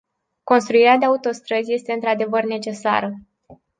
Construirea de autostrăzi este într-adevăr necesară.